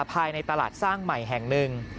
ภายในตลาดสร้างใหม่แห่งหนึ่ง